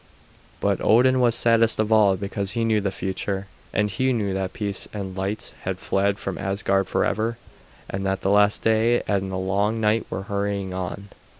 But Odin was saddest of all, because he knew the future, and he knew that peace and light had fled from Asgard forever, and that the last day and the long night were hurrying on.